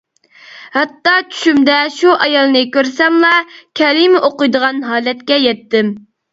ھەتتا چۈشۈمدە شۇ ئايالنى كۆرسەملا كەلىمە ئوقۇيدىغان ھالەتكە يەتتىم.